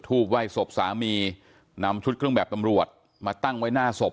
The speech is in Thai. ไหว้ศพสามีนำชุดเครื่องแบบตำรวจมาตั้งไว้หน้าศพ